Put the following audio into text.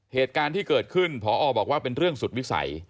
เหตุการณ์ที่เกิดขึ้นพอบอกว่าเป็นเรื่องสุดวิสัย